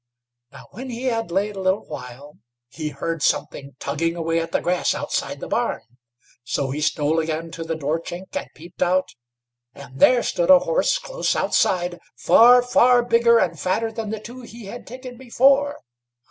Now when he had laid a little while, he heard something tugging away at the grass outside the barn, so he stole again to the door chink, and peeped out, and there stood a horse close outside far, far bigger and fatter than the two he had taken before.